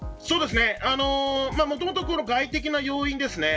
もともと外的な要因ですね。